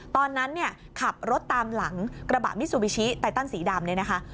ตอนนั้นเนี่ยขับรถตามหลังกระบะมิซูบิชิไตตันสีดำเนี่ยนะคะ